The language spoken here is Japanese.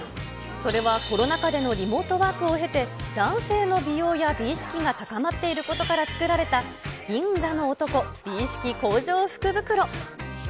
それは、コロナ禍でのリモートワークを経て、男性の美容や美意識が高まっていることから作られた、銀座の男美意識向上福袋。